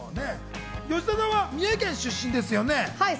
吉田さんは三重県出身ですよね？